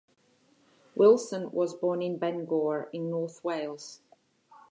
Wilson was born in Bangor in North Wales.